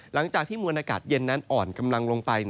หลังจากที่อ่อนกำลังลงไป